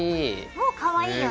もうかわいいよね。